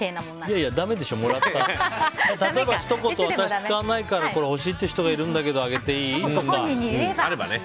例えば、ひと言私、使わないからこれ、欲しいって人がいるんだけどっていえばね。